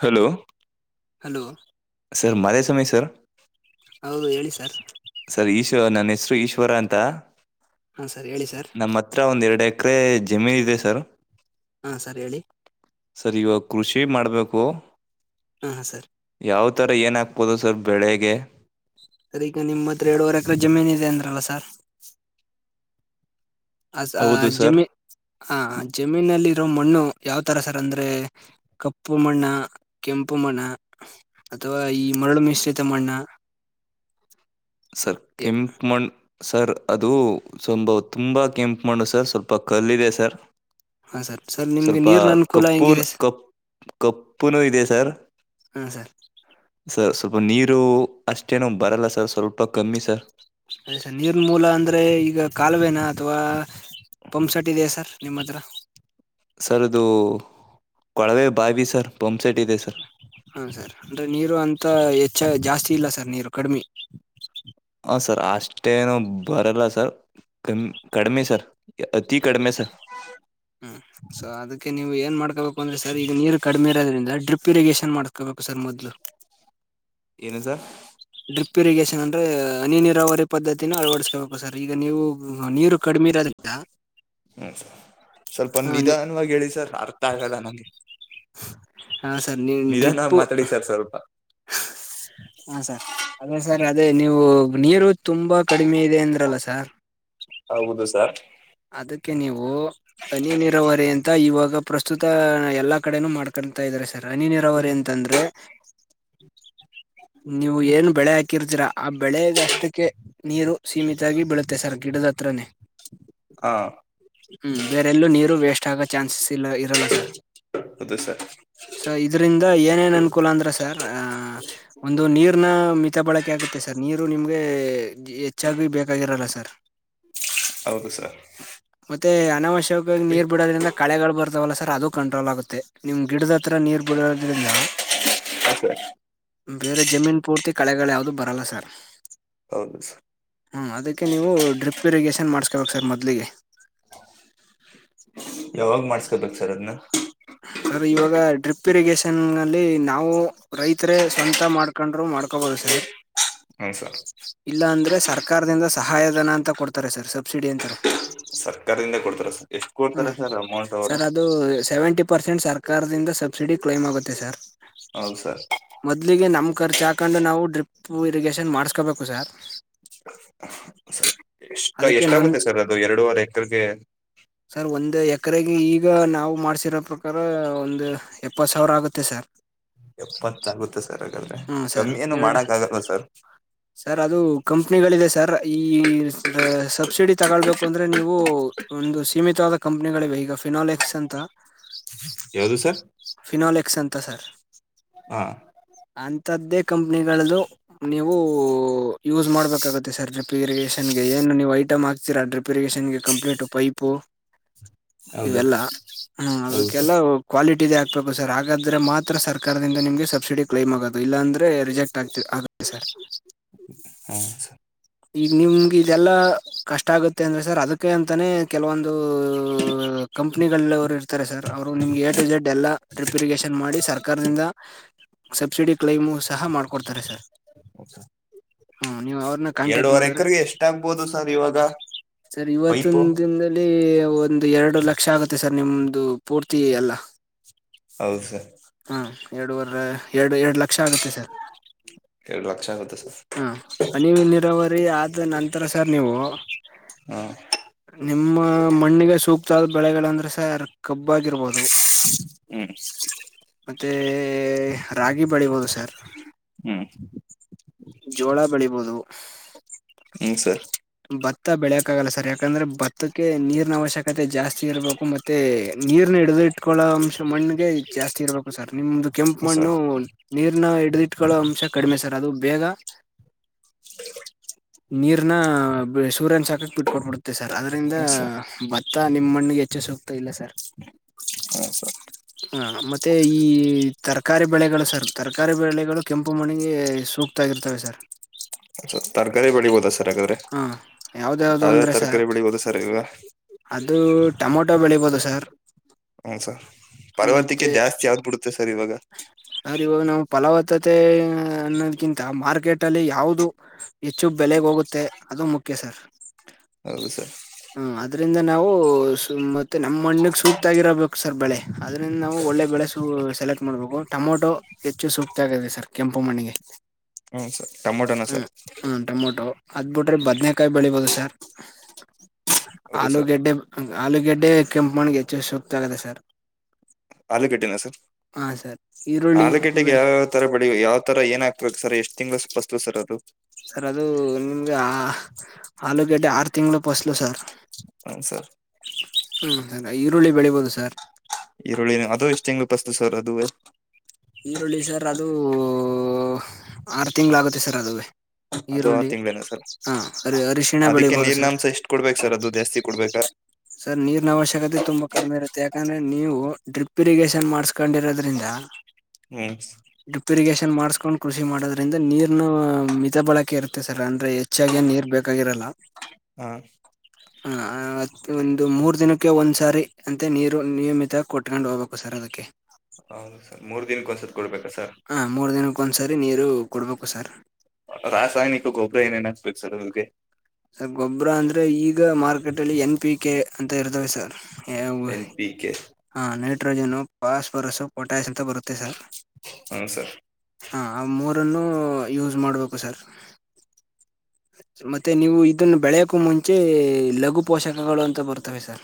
Hello hello sir ಮಾದೇ ಸಮಯ sir ಹೌದು ಹೇಳಿ ಸರ್ ಸರ್ ಈಶು ನನ್ನ ಹೆಸರು ಈಶ್ವರ ಅಂತ ಹಾ ಸರ್ ಹೇಳಿ ಸರ್ ನಮ್ಮ ಒಂದ್ ಎರಡ ಎಕರೆ ಜಮೀನ್ ಇದೆ ಸರ್ ಹಾ ಸರ್ ಹೇಳಿ ಸರ್ ಇವಾಗ ಕೃಷಿ ಮಾಡಬೇಕು. ಹಾ ಸರ್ ಯಾವ ಥರ ಏನಾಗಕ್ಬೋದು ಸರ್ ಬೆಳೆಗೆ ಸರ್ ಈಗ ನಿಮ್ಮ ಹತ್ತತ್ರ ಎರಡೂವರೆ ಎಕರೆ ಜಮೀನ್ ಇದೆ ಅಂದ್ರಲ್ಲ ಸರ್ ಆ ಸರ್ ಜಮೀ ಆ ಜಮೀನಲ್ಲಿ ಇರೋ ಮಣ್ಣು ಯಾವ ತರ ಸರ್ ಅಂದ್ರೆ ಕಪ್ಪು ಮಣ್ಣಾ ಕೆಂಪು ಮಣ್ಣಾ ಅಥವಾ ಈ ಮರಳು ಮಿಶ್ರಿತ ಮಣ್ಣಾ ಸರ್ ಕೆಂಪ್ ಮಣ್ಣ ಸರ್ ಅದು ಸ್ವಂಬ ತುಂಬ ಕೆಂಪು ಮಾಡು ಸರ್ ಸ್ವಲ್ಪ ಕಲ್ಲಿದೆ ಸರ್ ಹಾ ಸರ್ ಸರ್ [inaudible] ನಿಮ್ಗೆ ಸ್ವಲ್ಪ ನೀರಿನ ಅನುಕೂಲ ಕಪ್ಪುಲ ಹೆಂಗಿದೆ ಸರ್ ಕಪ್ ಕಪ್ಪುನು ಇದೆ ಸರ್ ಹಾ ಸರ್ ಸರ್ ಸ್ವಲ್ಪ ನೀರು ಅಷ್ಟೇನು ಬರಲ್ಲ ಸರ್ ಸ್ವಲ್ಪ ಕಮ್ಮಿ ಸರ್ ನಿರ್ಮೂಲಅಂದ್ರೆ ಈಗ ಕಾಲುವೆನಾ ಅಥವಾ ಪಂಪ್ ಸೆಟ್ ಇದೆಯಾ ಸರ್ ನಿಮ್ಮ ಹತ್ರ ಸರ್ ಅದು ಕೊಳವೆ ಬಾವಿ ಸರ್ ಪಂಪ್ಸೆಟ್ ಇದೆ ಸರ್ ಹಾ ಸರ್ ಅಂದರೆ ನೀರು ಅಂತ ಹೆಚ್ಚ ಜಾಸ್ತಿ ಇಲ್ಲ ಸರ್ ನೀರು ಕಡಿಮೆ. ಹಾ ಸರ್ ಅಷ್ಟೇನು ಬರಲ್ಲ ಸರ್ ಕಮ್ಮಿ ಕಡಿಮೆ ಸರ್ ಅತಿ ಕಡಿಮೆ ಸರ್. ಹ್ಮ್ ಸೊ ಅದಕ್ಕೆ ನೀವು ಏನ್ ಮಾಡ್ಕೋಬೇಕು ಅಂದ್ರೆ ಸರ್ ಈಗ ನೀರು ಕಡಿಮೆ ಇರೋದ್ರಿಂದ ಡ್ರಿಪ್. ಇರಿಗೇಷನ್ ಮಾಡ್ಕೋಬೇಕು ಸರ್ ಮೊದ್ಲು. ಏನು ಸರ್. ಡ್ರಿಪ್ ಇರಿಗೇಷನ್ ಅಂದ್ರೆ ಹನಿ ನೀರಾವರಿ ಪದ್ದತಿನ ಅಳವಡಿಸಬೇಕು ಸರ್ ಈಗ ನೀವು ನೀರು ಕಡಿಮೆ ಇರಾದ್ರ ಹ್ಮ್ ಸರ್ ಸ್ವಲ್ಪ ನಿಧಾನವಾಗಿ ಹೇಳಿ ಸರ್ ಅರ್ಥ ಆಗಲ್ಲ ನಂಗೆ. ಹ ಸರ್ ನೀ [inaudible] ನಿಧಾನವಾಗಿ ಡ್ರಿಪ್ ಮಾತಾಡಿ ಸರ್ ಸ್ವಲ್ಪ. [inaudible] ಹಾ ಸರ್ ಅದೇ ಸರ್ ಅದೇ ನೀವು ನೀರು ತುಂಬಾ ಕಡಿಮೆ ಇದೆ ಅಂದ್ರಲ್ಲ ಸರ್. ಹೌದು ಸರ್ ಅದಕ್ಕೆ ನೀವು. ಹನಿ ನೀರಾವರಿ ಅಂತ ಇವಾಗ ಪ್ರಸ್ತುತ ಎಲ್ಲಾ ಕಡೆನೂ ಮಾಡ್ಕತಾ ಇದಾರೆ ಹನಿನೀರಾವರಿ ಅಂತ ಅಂದ್ರೆ ನೀವು ಏನ್ ಬೆಳೆ ಹಾಕಿರ್ತೀರಾ ಆ ಬೆಳೆಗ ಅಷ್ಟಕ್ಕೆ. [inaudible] ನೀರು ಸೀಮಿತಾಗಿ ಬೀಳುತ್ತೆ ಸರ್ ಗಿಡದ ಹತ್ರನೇ, [inaudible] ಆ [inaudible] ಹೂ ಬೇರೆಲ್ಲೂ ನೀರು ವೇಸ್ಟ್ ಆಗೋ ಚಾನ್ಸಸ್ ಇಲ್ಲ ಇರಲ್ಲ ಸರ್ [inaudible] ಹೌದು ಸರ್ ಸರ್ ಇದರಿಂದ ಏನೇನ್ ಅನುಕೂಲ ಅಂದ್ರೆ ಸರ್ ಅ [inaudible] ಒಂದು ನೀರ್ನ ಮಿತ ಬಳಕೆ ಆಗುತ್ತೆ ಸರ್ ನೀರು ನಿಮಗೆ. [inaudible] ಹೆಚ್ಚಾಗಿ ಬೇಕಾಗಿರೋಲ್ಲ ಸರ್. [inaudible] ಹೌದು ಸರ್. [inaudible] ಮತ್ತೆ ಅನವಶ್ಯಕವಾಗಿ ನೀರ್ ಬಿಡೋದ್ರಿಂದ [inaudible] ಕಳೆಗಳು ಬರ್ತಾವಲ್ಲ ಸರ್ ಅದು ಕಂಟ್ರೋಲ್ ಆಗುತ್ತೆ ನಿಮ್ಮ ಗಿಡದ ಹತ್ರ ನೀರ್ ಬಿಡೋದ್ರಿಂದ [inaudible] [inaudible] ಬೇರೆ ಜಮೀನ್ ಪೂರ್ತಿ ಕಳೆಗಳು ಯಾವದು ಬರಲ್ಲ ಸರ್. [inaudible] ಹೌದು ಸರ್ [inaudible] ಹೂ ಅದಕ್ಕೆ ನೀವು ಡ್ರಿಪ್ ಇರಿಗೇಷನ್ ಮಾಡಸ್ಕೊಬೇಕು ಸರ್ ಮೊದಲಿಗೆ [inaudible] ಯಾವಾಗ ಮಾಡಸಕೊಬೇಕು ಸರ್ ಅದನ್ನ [inaudible] ಸರ್ ಇವಾಗ ಡ್ರಿಪ್ ಇರಿಗೇಷನ್ ನಲ್ಲಿ ನಾವು ರೈತರೇ ಸ್ವಂತ ಮಾಡ್ಕೊಂಡ್ರು ಮಾಡ್ಕೋಬಹದು ಸರ್ [inaudible] [inaudible] ಹೂ ಸರ್ [inaudible] ಇಲ್ಲ ಅಂದ್ರೆ ಸರ್ಕಾರದಿಂದ ಸಹಾಯ ಧನ ಅಂತ ಕೊಡ್ತಾರೆ ಸರ್ ಸಬ್ಸಿಡಿ ಅಂತಾರೆ. [inaudible] ಸರ್ಕಾರದಿಂದ ಕೊಡ್ತಾರ ಸರ್ ಎಷ್ಟು ಕೊಡ್ತಾರೆ ಸರ್ ಅಮೌಂಟ್ ಅವರು? [inaudible] ದು ಸೆವೆಂಟಿ ಪರ್ಸೆಂಟ್ ಸರ್ಕಾರದಿಂದ ಸಬ್ಸಿಡಿ ಕ್ಲೈಮ್ ಆಗುತ್ತೆ ಸರ್. ಹೌದು ಸರ್ [inaudible] ಮೊದ್ಲಿಗೆ ನಮ್ಮ ಖರ್ಚು ಹಾಕೊಂಡು ನಾವು ಡ್ರಿಪ್ಪು ಇರಿಗೇಷನ್ ಮಾಡಸ್ಬೇಕು ಸರ್. [inaudible] ಎಷ್ಟ ಅದಕ್ಕೆ ನೊಂದ್ ಎಷ್ಟಾಗುತ್ತೆ ಸರ್ ಅದು ಎರಡುವರೆ ಎಕರೆಗೆ? [inaudible] ಸರ್ ಒಂದು ಎಕರೆಗೆ ಈಗ ನಾವು ಮಾಡ್ಸಿರೋ ಪ್ರಕಾರ ಒಂದು ಎಪ್ಪತ್ತು ಸಾವಿರ ಆಗುತ್ತೆ ಸರ್. [inaudible] ಎಪ್ಪತ್ತ ಆಗುತ್ತೆ ಸರ್ ಹಾಗಾದ್ರೆ ಹ್ಮ್ ಸರ್ ಕಮ್ಮಿ ಏನು ಎರಡ್ ಮಾಡಕ್ ಆಗಲ್ಲ ಸರ್. [inaudible] ಸರ್ ಅದು ಕಂಪ್ನಿಗಳಿದೆ ಸರ್ ಈ ಸಬ್ಸಿಡಿ ತೊಗೊಳಬೇಕ ಅಂದ್ರೆ ನೀವು [inaudible] ಒಂದು ಸೀಮಿತವಾದ ಕಂಪ್ನಿಗಳಿವೆ ಈಗ ಫಿನಾಲೆಕ್ಸ್ ಅಂತ. [inaudible] ಯಾವದು ಸರ್? [inaudible] ಫಿನಾಲ್ ಎಕ್ಸ್ ಅಂತ ಸರ್. [inaudible] ಹಾ [inaudible] ಅಂತದ್ದೇ ಕಂಪನಿಗಳದು ನೀವು ಯೂಸ್ ಮಾಡ್ಬೇಕು. [inaudible] ಬುಕ್ ಆಗುತ್ತೆ ಸರ್ ಗ್ರಿಪ್ ಇರಿಗೇನ್ ಗೆ ಏನು ನೀವು ಐಟಮ್ ಹಾತೀರಾ ಗ್ರಿಪ್ ಇರಿಗೇನ್ ಗೆ ಕಂಪ್ಲೀಟ್ ಪೈಪೂ [inaudible] [inaudible] ಇವೆಲ್ಲ ಹ ಹೌದು ಸರ್ ಅದಕ್ಕೆಲ್ಲ ಅವ [inaudible] ಕ್ವಾಲಿಟಿದೇ ಆಗ್ಬೇಕು ಸರ್ ಹಾಗಾದ್ರೆ ಮಾತ್ರ ಸರ್ಕಾರದಿಂದ ನಿಮ್ಗೆ ಸಬ್ಸಿಡಿ [inaudible] ಕ್ಲೈಮ್ ಆಗೋದು ಇಲ್ಲಾಂದರೆ ರಿಜೆಕ್ಟ್ ಆಗತ ಆಗುತ್ತೆ ಸರ್. [inaudible] ಹಾ ಸರ್. [inaudible] ಈಗ ನಿಮ್ಗೆ ಇದೆಲ್ಲಾ ಕಷ್ಟ ಆಗುತ್ತೆ ಅಂದ್ರೆ ಸರ್ ಅದಕ್ಕೆ ಅಂ [inaudible] ಅಂತಾನೇ ಕೆಲವೊಂದು [inaudible] ಕಂಪ್ನಿಗಲ್ಲ ಅವ್ರು ಇರ್ತಾರೆ ಸರ್ ಅವರು ನಿಮ್ಗೆ ಎ ಟು ಜೆಡ್ ಎಲ್ಲ ಟ್ರಿಪಿಗೇಶನ್ ಮಾಡಿ ಸರ್ಕಾರದಿಂದ [inaudible] ಸಬ್ಸಿಡಿ ಕ್ಲೈಮು ಸಹ ಮಾಡ್ಕೊಡ್ತಾರೆ ಸರ್. [inaudible] ಹೂ ಸರ್. [inaudible] ಹಾ ನೀವ ಅವ್ರನ್ನ ಕಾಂಟ್ಯಾಕ್ಟ್ ಎರಡೂವರೆ ಮಾಡಿದ್ರೆ ಎಕರೆಗೆ ಎಷ್ಟಾಗಗ್ಬೋದು ಸರ್ ಇವಾಗ ಸರ್ ಇವತ್ತ ಪೈಪು ದಿಂದ ದಿಂದ [inaudible] ಅಲ್ಲಿ ಒಂದು ಎರಡು ಲಕ್ಷ ಆಗುತ್ತೆ ಸರ್ ನಿಮ್ದು ಪೂರ್ತಿ ಎಲ್ಲಾ? [inaudible] ಹೌದ ಸರ್. [inaudible] ಹಾ ಎರಡುವರೆ ಎರಡು ಎರಡು ಲಕ್ಷ ಆಗುತ್ತೆ ಸರ್. ಎರಡು ಲಕ್ಷ ಆಗುತ್ತೆ ಸರ್ ಹಾ [unintelligible] ಫೆಬ್ರವರಿ ಆದ ನಂತರ ಸರ್ ನೀವು. ಹಾ ನಿಮ್ಮ ಮಣ್ಣಿಗೆ ಸೂಕ್ತ ಆದ ಬೆಳೆಗಳಂದ್ರೆ ಸರ್ ಕಬ್ಬ್ ಆಗಿರ್ಬೋದು. ಹ್ಮ್ ಮತ್ತೆ ರಾಗಿ ಬೆಳಿಬೋದು ಸರ್. ಹ್ಮ ಜೋಳ ಬೆಳಿಬೋದು. ಹ್ಮ್ ಸರ್ ಭತ್ತ ಬೆಳೆಯಕ ಆಗಲ್ಲ ಸರ್ ಯಾಕಂದ್ರೆ ಭತ್ತಕ್ಕೆ ನೀರ್ನ ಅವಶ್ಯಕತೆ ಜಾಸ್ತಿ ಇರ್ಬೇಕು ಮತ್ [unintelligible] ತ್ತೆ ನೀರ್ನ ಹಿಡ್ದು ಇಟ್ಕಳೋ ಅಂಶ ಮಣ್ಣಗೆ ಜಾಸ್ತಿ ಇರಬೇಕು. ಹ ಸರ್ ನಿಮ್ದು ಕೆಂಪು ಮಣ್ಣು ಸರ್ ನೀರ್ನ ಹಿಡ್ದಿಟ್ಕೊಳ್ಳೋ ಅಂಶ ಕಡಿಮೆ ಸರ್ ಅದು ಬೇಗ. ನೀರ್ನ ಸೂರ್ಯನ ಶಾಕಕ್ ಬಿಟ್ಕೋಟ್ ಬಿಡುತ್ತೆ ಸರ್ ಅದರಿಂದ ಹ್ಮ್ ಸರ್ ಬ [unintelligible] ತ್ತಾ ನಿಮ್ ಮಣ್ಣಿಗೆ ಹೆಚ್ಚು ಸುಕ್ತ ಇಲ್ಲ ಸರ್. ಹ ಸರ್ ಹ ಮತ್ತೆ ಈ ತರಕಾರಿ ಬೆಳೆಗಳು ಸರ್ ತರಕಾರಿ ಬೆಳೆಗಳು ಕೆಂಪು ಮಣ್ಣಿಗೆ ಸೂಕ್ [unintelligible] ಗ್ ಇರ್ತವೆ ಸರ್. ಸ ತರಕಾರಿ ಬೆಳಿಬೋದ ಸರ್ ಹಾಗಾದ್ರೆ ಹ ಯಾವ್ದ್ಯಾವ್ದು ಯಾವ್ಯಾವ ಅಂದ್ರೆ ಸರ್ ತರಕಾರಿ ಬೆಳಿಬೋದು ಸರ್ ಈವಾಗ. ಅದು ಟೊಮೊಟೊ ಬೆಳಿಬೋದು ಸರ್. ಹಾ ಸರ್ ಫಲವತ್ತಿಕೆ ಜಾಸ್ತಿ ಯಾವ್ದ್ ಬಿಡುತ್ತೆ ಸರ್ ಇವಾಗ. ಸರ್ ಇವಾಗ ನಾವ್ ಫಲವತ್ತತೆ ಅನ್ನೋದ್ಕಿಂತ ಮಾರ್ಕೆಟ್ ಅಲ್ಲಿ ಯಾವ್ದು. ಹೆಚ್ಚು ಬೆಲೆಗ್ ಹೋಗುತ್ತೆ ಅದು ಮುಖ್ಯ ಸರ್. ಹೌದು ಸರ್ ಹ್ಮ ಅದ್ರಿಂದ ನಾವು ಸುಮ್ ಮತ್ತೆ ನಮ್ಮ್ ಮಣ್ಣಿಗೆ ಸೂಕ್ತ ಆಗರಬೇಕು ಸರ್ ಬೆಳೆ ಆದ್ರಿಂದ ನಾವು ಒಳ್ಳೆ ಬೆಳೆ ಸ್ ಅದು ಸೆಲೆಕ್ಟ್ ಮಾಡ್ಬೇಕು ಟೊಮೊಟೊ ಹೆಚ್ಚು ಸೂಕ್ತ ಆಗದೆ ಸರ್ ಕೆಂಪು ಮಣ್ಣಿಗೆ. ಹ್ಮ್ ಸರ್ ಟೊಮೊಟೊನಾ ಹ್ಮ್ ಸರ್ ಹ್ಮ್ ಟೊಮೊಟೊ. ಅದ್ ಬಿಟ್ರೆ ಬದ್ನೇಕಾಯಿ ಬೆಳಿಬೋದು ಸರ್ ಹೌದು ಸರ್ ಆಲೂಗೆಡ್ಡೆ. ಹಂಗ್ ಆಲೂಗೆಡ್ಡೆ ಕೆಂಪು ಮಣ್ಣಿಗೆ ಹೆಚ್ಚು ಸೂಕ್ತ ಆಗದೆ ಸರ್. ಆಲೂಗೆಡ್ಡೆನ ಸರ್ ಹಾ ಸರ್ ಈರುಳ್ಳಿ ಆಲೂಗೆಡ್ಡೆಗೆ ಬೆಳೆ ಯಾವತ್ [unintelligible] ತರ ಬೆಳಿ ಯಾವ್ ತರ ಏನ್ ಹಾಕ್ಬೇಕ್ ಸರ್ ಎಷ್ಟ್ ತಿಂಗಳು ಪಸ್ಲು ಸರ್ ಅದು. ಸರ್ ಅದು ನಿಮ್ಗೆ ಆ ಆಲೂಗೆಡ್ಡೆ ಆರು ತಿಂಗ್ಳು ಪಸ್ಲು ಸರ್. ಹ್ಮ್ ಸರ್ ಹ್ಮ್ ಈರುಳ್ಳಿ ಬೆಳಿಬೋದು ಸರ್. ಈರುಳ್ಳಿ ಅದು ಇಷ್ಟು ತಿಂಗಳು ಪಸ್ಲು ಸರ್ ಅದುವೇ. ಈರುಳ್ಳಿ ಸರ್ ಅದು ಆರು ತಿಂಗಳಾಗುತ್ತೆ ಸರ್ ಅದುವೆ. ಅದು ಆರು ಈರುಳ್ಳಿ ತಿಂಗಳೇನಾ ಸರ್ ಹಾ ಅರಿ ಅರಿಶಿಣ ಅದಕ್ಕೆ ಬೆಳಿಬೋದು ಸರ್. ನೀರಿನಾಂಶ ಎಷ್ಟು ಕೊಡ್ಬೇಕು ಸರ್ ಅದು ಜಾಸ್ತಿ ಕೊಡ್ಬೇಕ. ಸರ್ ನೀರ್ನ ಅವಶ್ಯಕತೆ ತುಂಬಾ ಕಡಿಮೆ ಇರುತ್ತೆ ಯಾಕಂದ್ರೆ ನೀವು ಡ್ರಿಪ್ ಇರಿಗೇಷನ್ ಮಾಡಸ್ಕೊಂಡಿರೋದ್ರಿಂದ. ಹ್ಮ್ ಡಿಪ್ ಇರಿಗೇಷನ್ ಮಾಡ್ಸ್ಕೊಂಡು ಕೃಷಿ ಮಾಡೋದ್ರಿಂದ ನೀರ್ನು ಮಿತ ಬಳಕೆ ಇರುತ್ತೆ ಸರ್ ಅಂದ್ರೆ. ಹೆಚ್ಚಾಗೇನ್ ನೀರ್ ಬೇಕಾಗಿರಲ್ಲ. ಹಾ ಹಾ ಒಂದು ಮೂರ್ ದಿನಕ್ಕೆ ಒಂದ್ ಸಾರಿ ಅಂತ ನೀರು ನಿಯಮಿತ ಕೊಟ್ಕೊಂಡ್ ಹೋಗ್ಬೇಕು ಸರ್ ಅದಕ್ಕೆ. ಹೌದ ಸರ್ ಮೂರು ದಿನಕ್ಕ್ ಒಂದ್ಸತ ಕೊಡ್ಬೇಕಾ ಸರ್. ಹಾಂ ಮೂರು ದಿನಕ್ಕ್ ಒಂದ್ಸರಿ ನೀರು ಕೊಡ್ಬೇಕು ಸರ್. ರಾಸಾಯನಿಕ ಗೊಬ್ಬರ ಏನೇನ್ ಹಾಕ್ಬೇಕು ಸರ್ ಅವಕ್ಕೆ. ಸರ್ ಗೊಬ್ಬರ ಅಂದ್ರೆ ಈಗ ಮಾರ್ಕೆಟಲ್ಲಿ ಎನ್ ಪಿ ಕೆ ಅಂತ ಇರ್ತವೆ ಸರ್. ಎನ್ ಪಿ ಕೆ ಹಾಂ ನೈಟ್ರೋಜನು ಫಾಸ್ಫರಸು ಪೊಟ್ಯಾಷ್ ಅಂತ ಬರುತ್ತೆ ಸರ್. ಹಾ ಸರ್. ಹಾಂ ಆ ಮೂರನ್ನೂ ಯೂಸ್ ಮಾಡ್ಬೇಕು ಸರ್. ಮತ್ತೆ ನೀವು ಇದನ್ನ ಬೆಳೆಯಕ್ಕೂ ಮುಂಚೆ ಲಘು ಪೋಷಕಗಳು ಅಂತ ಬರ್ತವೆ ಸರ್.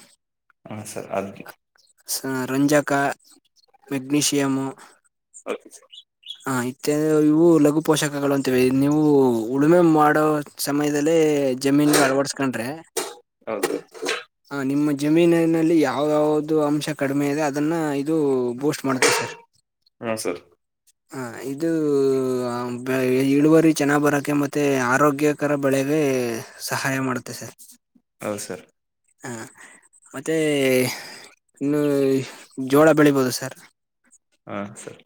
ಹಾ ಸರ್ ಅದಕ್ ಸ ರಂಜಕಾ ಮೆಗ್ನೀಷಿಯಮ್ಮು. ಓಕೆ ಸರ್ ಹ ಇತ್ಯಾದಿ ಇವು ಲಘು ಪೋಷಕಗಳು ಅಂತಿವೆ ನೀವು ಉಳುಮೆ ಮಾಡೋ ಸಮಯದಲ್ಲಿ ಜಮೀನ್ಗೆ ಅಳವಡ್ಸ್ಕೊಂಡ್ರೆ. ಹೌದು ಹ ನಿಮ್ಮ ಜಮೀನಿನಲ್ಲಿ ಯಾವಾವ್ದು ಅಂಶ ಕಡಿಮೆ ಇದೆ ಅದನ್ನ ಇದು ಬೂಸ್ಟ್ ಮಾಡುತ್ತೆ ಸರ್. ಹ್ಞೂ ಸರ್ ಹ ಇದೂ ಇಳುವರಿ ಚೆನ್ನಾಗ್ ಬರೋಕೆ ಮತ್ತೆ ಆರೋಗ್ಯ ಕರ ಬೆಳೆಗೆ ಸಹಾಯ ಮಾಡುತ್ತೆ ಸರ್. ಹೌದು ಸರ್. ಹಾ ಮತ್ತೆ ಇನ್ನು ಜೋಳ ಬೆಳಿಬೋದು ಸರ್. ಹಾಂ ಸರ್.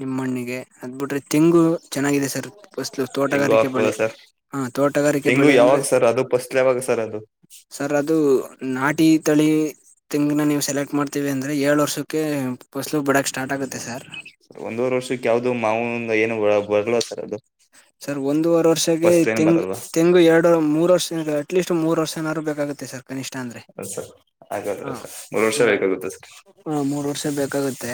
ನಿಮ್ಮಣ್ಣಿಗೆ ಅದ್ಬಿಟ್ರೆ ತೆಂಗು ಚೆನ್ನಾಗಿದೆ ಸರ್ ಫಸ್ಲು ತೆಂಗು ತೋಟಗಾರಿಕೆ ಬೆಳೆ. ಹಾಕ್ಬೋದಾ ಸರ್ ಹ ತೋಟಗಾರಿಕೆ ತೆಂಗು ಬೆಳೆ ಯಾವಾಗ ಅಂದ್ರೆ ಸರ್ ಅದು ಪಸ್ಲ್ ಯಾವಾಗ ಸರ್ ಅದು. ಸರ್ ಅದು ನಾಟಿ ತಳಿ ತೆಂಗ್ನ ನೀವು ಸೆಲೆಕ್ಟ್ ಮಾಡ್ತೀವಿ ಅಂದ್ರೆ ಏಳ್ ವರ್ಷಕ್ಕೆ ಫಸ್ಲು ಬಿಡಕ್ ಸ್ಟಾರ್ಟ್ ಆಗುತ್ತೆ ಸರ್. ಸರ್ ಒಂದೂವರ್ ವರ್ಷಕ್ ಯಾವ್ದು ಮಾವುಂದ್ ಏನು ಬರ್ಲ ಸರ್ ಅದು. ಸರ್ ಒಂದೂವರೆ ವರ್ಷಗೆ ಫಸ್ಟ್ ಏನು ತೆಂಗು ಬರಲ್ವಾ ತೆಂಗು ಎರಡ್ ಡು ಮೂರ್ ವರ್ಷ ಅಟ್ ಲೀಸ್ಟ್ ಮೂರ್ ವರ್ಷನಾರು ಬೇಕಾಗುತ್ತೆ ಸರ್. ಕನಿಷ್ಟ ಅಂದ್ರೆ. ಹ ಸರ್ ಆದ್ರ ಸರ್ ಮೂರು ವರ್ಷಾಗುತ್ತ ಸರ್. ಹಾ ಮೂರ್ ವರ್ಷ ಬೇಕಾಗುತ್ತೆ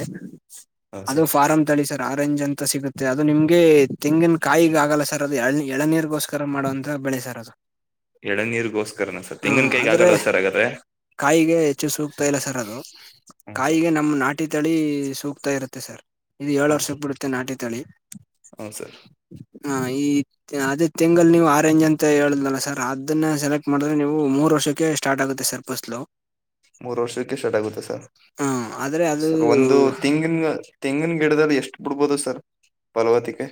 ಹೌದು ಅದು ಸರ್ ಫಾರಂ ತಳಿ ಸರ್ ಆರೆಂಜ್ ಅಂತ ಸಿಗುತ್ತೆ ಅದು ನಿಮ್ಗೆ ತೆಂಗಿನ ಕಾಯಿಗಾಗಲ್ಲ ಸರ್ ಅದು ಎಳನೀರ್ಗೋಸ್ಕರ ಮಾಡುವಂಥ ಬೆಳೆ ಸರ್ ಅದು. ಎಳನೀರಿಗೋಸ್ಕರನ ಸರ್ ಹ ತೆಂಗಿನಕಾಯ್ಗೆ ಆದ್ರೆ ಆಗಲ್ಲ ಸರ್ ಹಾಗಾದ್ರೆ. ಕಾಯಿಗೆ ಹೆಚ್ಚು ಸೂಕ್ತ ಇಲ್ಲ ಸರ್ ಅದು ಹ್ಞೂ ಸರ್ ಕಾಯಿಗೆ ನಮ್ಮ್ ನಾಟ್ ನಾಟಿ ತಳಿ ಸೂಕ್ತ ಇರುತ್ತೆ ಸರ್ ಇದು ಏಳು ವರ್ಷಕ್ ಬಿಡುತ್ತೆ ನಾಟಿ ತಳಿ. ಹೌನ್ ಸರ್. ಹಾ ಈ ಅದೇ ತಿಂಗಳ್ ನೀವು ಆರೆೇಂಜ್ ಅಂತ ಹೇಳುದನಲ್ಲ ಸರ್ ಅದನ್ನ ಸೆಲೆಕ್ಟ್ ಮಾಡಿದ್ರೆ ನೀವು ಮೂರು ವರ್ಷಕ್ಕೆ ಸ್ಟಾರ್ಟ್ ಆಗುತ್ತೆ ಸರ್. ಫಸ್ಲು. ಮೂರ್ ವರ್ಷಕ್ಕೆ ಸ್ಟಾರ್ಟ್ ಆಗುತ್ತಾ ಸರ್ ಹ ಆದ್ರೆ ಅದು ಸರ್ ಒಂದು ತೆಂಗನ ತೆಂಗಿನ್ ಗಿಡದಲ್ಲಿ ಎಷ್ಟು ಬಿಡ್ಬೋದು ಸರ್ ಪಲ್ವತಿಕೆ.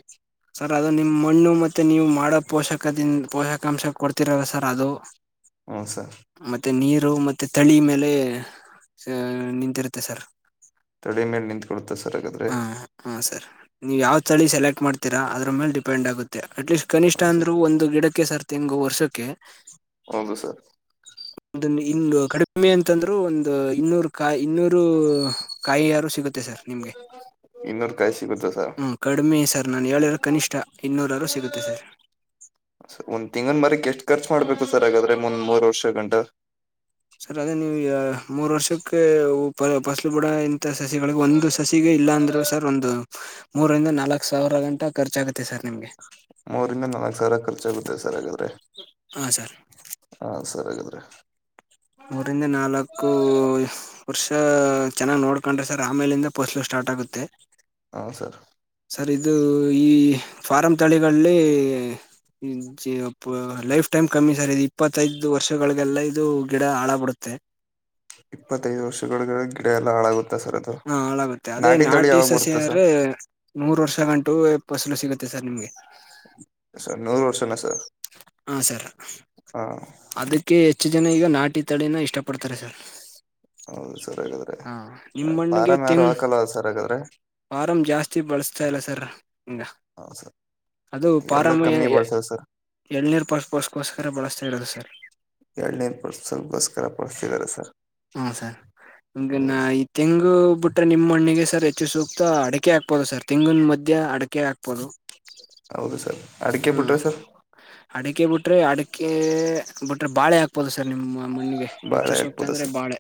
ಸರ್ ಅದು ನಿಮ್ ಮಣ್ಣು ಮತ್ತೆ ನೀವು ಮಾಡೋ ಪೋಷಕದಿಂದ್ ಪೋಷಕಾಂಶ ಕೊಡ್ತಿರಲ್ವ ಸರ್ ಅದು. [inaudible] ಹ್ಂ ಸರ್ ಮತ್ತೆ ನೀರು ಮತ್ತೆ ತಳಿ ಮೇಲೆ ನಿಂತಿರುತ್ತೆ ಸರ್. ತಳಿ ಮೇಲೆ ನಿಂತ್ಕೊಳ್ಳುತ್ತೆ ಸರ್ ಹಾಗಾದ್ರೆ. ಹ ಹಾ ಸರ್ ನೀವು ಯಾವ ತಳಿ ಸೆಲೆಕ್ಟ್ ಮಾಡ್ತೀರಾ ಅದ್ರ ಮೇಲೆ ಡಿಪೆಂಡ್ ಆಗುತ್ತೆ ಆಟ್ಲೀಸ್ಟ್. ಕನಿಷ್ಠ ಹ್ಮ್ ಸರ್ ಅಂದ್ರು ಒಂದು ಗಿಡಕ್ಕೆ ಸರ್ ತೆಂಗು ವರ್ಷಕ್ಕೆ ಹೌದು ಸರ್ ಅ ಹಂಗ ಕಡಿಮೆ ಅಂತಂದ್ರು ಒಂದು ಇನ್ನೂರು ಕಾಯಿ ಇನ್ನೂರು. ಕಾಯಿ ಆದ್ರು ಸಿಗುತ್ತೆ ಸರ್ ನಿಮ್ಗೆ ಇನ್ನೂರು ಕಾಯಿ ಸಿಗುತ್ತಾ ಸರ್ ಹ್ಮ ಕಡಿಮೆ ಸರ್. ನಾನು ಹೇಳಿರೊ ಕನಿಷ್ಠ ಇನ್ನೂರು ಅದ್ದ್ರೂ ಸಿಗುತ್ತೆ ಸರ್. ಒಂದ ತೆಂಗಿನಮರಕ್ ಎಷ್ಟು ಖರ್ಚ್ ಮಾಡ್ಬೇಕು ಸರ್ ಹಾಗಾದ್ರೆ ಮುಂದ್ ಮೂರ್ ವರ್ಷ ಗಂಟ. ಸರ್ ಅದೇ ನೀವು ಮೂರು ವರ್ಷಕ್ಕೆ ಫಸಲು ಬುಡ ಸಸಿಗಳಿಗೆ ಒಂದು ಸಸಿಗೆ ಇಲ್ಲ ಅಂದ್ರರು ಸರ್ ಒಂದು. ಮೂರಿಂದ ನಾಲ್ಕು ಸಾವಿರ ಗಂಟ ಖರ್ಚಾಗಗುತ್ತೆ ಸರ್ ನಿಮ್ಗೆ. ಮೂರಿಂದ ನಾಲ್ಕ್ ಸಾವಿರ ಖರ್ಚಾಗುತ್ತೆ ಸರ್ ಹಾಗಾದ್ರೆ. ಹಾ ಸರ್ ಹಾ ಸರಿ ಹಾಗಾದ್ರಿ. ಮೂರಿಂದ ನಾಲ್ಕೂ. ವರ್ಷಾ ಚೆನ್ನಾಗ್ ನೋಡ್ಕೊಂಡ್ರೆ ಸರ್ ಆಮೇಲಿಂದ ಪಾಲ್ಲೂ ಸ್ಟಾರ್ಟ್ ಆಗುತ್ತೆ. ಹಾ ಸರ್ ಸರ್ ಇದು ಈ ಫಾರಂ ತಳಿಗಳಲ್ಲಿ. ಲೈಫ್ ಟೈಮ್ ಕಮ್ಮಿ ಸರ್ ಇದು ಇಪ್ಪತ್ತದು ವರ್ಷಗಳಿಗೆಲ್ಲ ಇದು ಗಿಡ ಹಾಳಗ್ ಬಿಡುತ್ತೆ. ಇಪ್ಪತ್ತದು ವರ್ಷಗಳಿಗೆ ಗಿಡ ಎಲ್ಲ ಹಾಳಾಗುತ್ತಾ ಸರ್ ಅ. ಹಾ ಹಾಳಾಗುತ್ತೆ ಅದೇ ನಾಟಿ ಸಸಿ ಸರ್ ಅದ್ರೆ. ನೂರು ವರ್ಷ ಗಂಟು ಫಸಲು ಸಿಗುತ್ತೆ ಸರ್ ನಿಮ್ಗೆ. ಸರ್ ನೂರ್ ವರ್ಷನ ಸರ್. ಹಾ ಸರ್ ಹಾ ಅದಕ್ಕೆ ಹೆಚ್ಚು ಜನ ಈಗ ನಾಟಿ ತಳಿನ ಇಷ್ಟಪಡ್ತಾರೆ ಸರ್. ಹೌದು ಸರ್ ಹಾಗಾದ್ರೆ ಹಾ ನಿಮ್ಮಣ್ಣಿಗೆ ಫಾರಂ ಯಾರು ತೆಂಗ್ ಹಾಕಲ್ಲ ಸರ್ ಹಾಗಾದ್ರೆ. ಫಾರಂ ಜಾಸ್ತಿ ಬಳಸ್ತಾ ಇಲ್ಲ ಸರ್ ಹಂಗ. ಹೌ ಸರಿ ಅದು ಪಾರಮ್ ಎಳನೀರು ಪ ಪಸ್ಕೋಸ್ಕರ ಬಳಸ್ತಾ ಇರೋದು ಸರ್. ಏಳನೇರು ಪಾಲ್ಲೂ ಗೋಸ್ಕರ ಪಡ್ತಿದಿದ್ದಾರೆ ಸರ್. ಹು ಸರ್ ನಿಮಗೆ ಹೌದು ಸರ್. ತೆಂಗು ಬಿಟ್ರೆ ನಿಮ್ಮ್ ಮಣ್ಣಿಗೆ ಸರ್ ಹೆಚ್ಚು ಸೂಕ್ತ ಅಡಕೆ ಹಾಕ್ಬೋದು ಸರ್ ತೆಂಗಿನ ಮಧ್ಯೆ ಅಡ. ಅಡಿಗೆ ಹಾಕ್ಬೋದು ಹೌದು ಸರ್ ಅಡಿಕೆ ಹಾ ಬಿಟ್ರೆ ಸರ್ ಅಡಿಕೆ ಬಿಟ್ರೆ ಅಡಿಕೆ ಬಿಟ್ರೆ ಬಾಳೆ ಹಾಕ್ಬೋದು ಸರ್ ನಿಮ್ಮ ಮಣ್ಣಿಗೆ ಹೆಚ್ಚು ಸೂಕ್ತ ಅಂದ್ರೆ ಬಾಳೆ.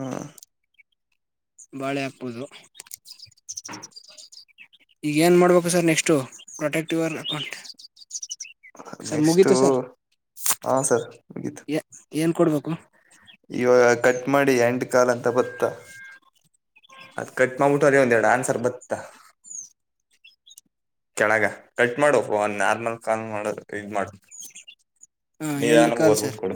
ಹಾ ಬಾಳೆ ಹಾಕಬಹುದು. ಈಗ ಏನ್ ಮಾಡ್ಬೇಕು ಸರ್ ನೆಕ್ಸ್ಟು ಪ್ರೊಟೆಕ್ಟಿವರ್ ಅಕೌಂಟ್. ಸರ್ ನೆಸ್ಟು ಮುಗೀತು ಸರ್ ಹಾ ಸರ್ ಮುಗಿತು. ಏನ್ ಕೊಡ್ಬೇಕು. ಇವಾಗ ಕಟ್ ಮಾಡಿ ಎಂಡ್ ಕಾಲ ಅಂತ ಬತ್ತಾ. ಅದ್ ಕಟ್ ಮಾಡಿಬಿಟ್ಟು ಒಂದೆರಡು ಆನ್ಸರ್ ಬತ್ತಾ. ಕೆಳಗ ಕಟ್ ಮಾಡು ನಾರ್ಮಲ್ ಕಾಲ್ ಮಾಡ ಇದ ಮಾಡುದು. ಹಾ ಎಂಡ ಕಾಲ್ ಸರ್. ಕೊಡು